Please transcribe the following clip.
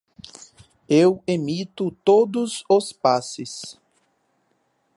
Eu emito todos os passes.